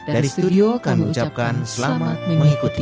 dari studio kami ucapkan selamat mengikuti